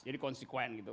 jadi konsekuen gitu